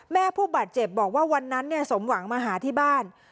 ผู้บาดเจ็บบอกว่าวันนั้นสมหวังมาหาที่บ้าน